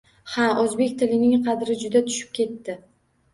Ha, o‘zbek tilining qadri juda tushib ketdi